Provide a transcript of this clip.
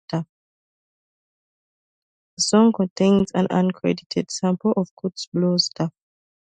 The song contains an uncredited sample of Kurtis Blow's "Tough".